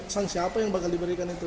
sang siapa yang bakal diberikan itu